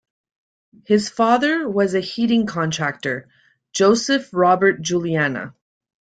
His father was a heating contractor, Joseph Robert Juliana.